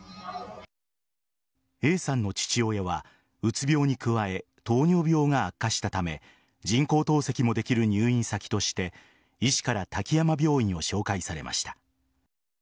Ａさんの父親はうつ病に加え糖尿病が悪化したため人工透析もできる入院先として医師から滝山病院を紹介されました。